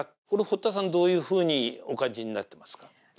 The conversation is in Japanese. これ堀田さんどういうふうにお感じになってますか？